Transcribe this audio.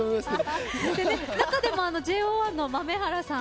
中でも、ＪＯ１の豆原さん